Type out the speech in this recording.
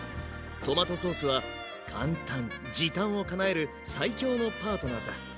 トマトソースは簡単・時短をかなえる最強のパートナーさ。